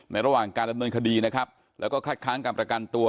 ในระหว่างการระเมินคดีนะครับแล้วก็คัดขังกับประกันตัว